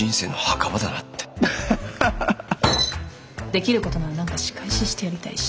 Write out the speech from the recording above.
できることなら何か仕返ししてやりたいし。